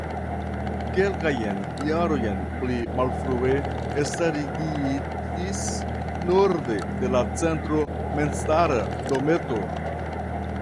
Kelkajn jarojn pli malfrue starigitis norde de la centro memstara dometo.